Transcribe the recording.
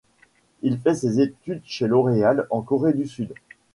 Il fait ses débuts chez L'Oréal en Corée du Sud.